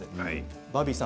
バービーさん